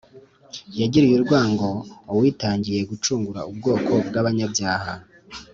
. Yagiriye urwango uwitangiye gucungura ubwoko bw’abanyabyaha